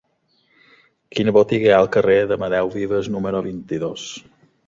Quina botiga hi ha al carrer d'Amadeu Vives número vint-i-dos?